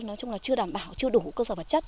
nói chung là chưa đảm bảo chưa đủ cơ sở vật chất